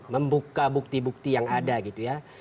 membuka bukti bukti yang ada gitu ya